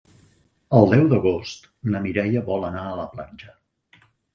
El deu d'agost na Mireia vol anar a la platja.